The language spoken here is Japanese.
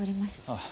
ああ。